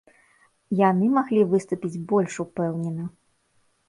Яны маглі выступіць больш упэўнена.